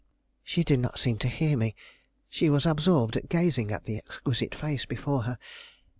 She did not seem to hear me; she was absorbed in gazing at the exquisite face before her.